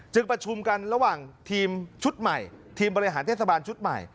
ประชุมกันระหว่างทีมชุดใหม่ทีมบริหารเทศบาลชุดใหม่